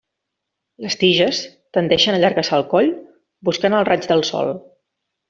Les tiges tendeixen a allargassar el coll buscant el raig del sol.